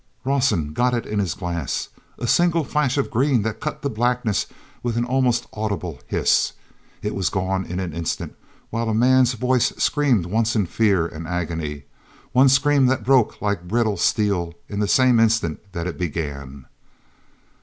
Rawson got it in the glass—a single flash of green that cut the blackness with an almost audible hiss. It was gone in an instant while a man's voice screamed once in fear and agony, one scream that broke like brittle steel in the same instant that it began.